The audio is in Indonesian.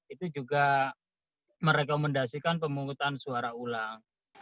itu juga merekomendasikan pemungutan suara ulang